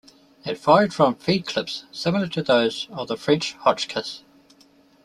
It fired from feed clips similar to those of the French Hotchkiss.